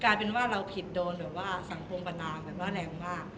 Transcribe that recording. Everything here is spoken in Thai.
กลายเป็นว่าเราผิดโดนสังคมประนามแรงมาก